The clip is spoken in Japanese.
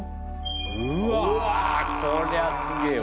うわこりゃすげえわ。